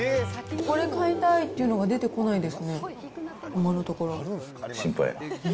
これ買いたいっていうのが出てこないですね、今のところ。